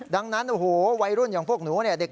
ดังนั้นโอ้โหวัยรุ่นอย่างพวกหนูเนี่ย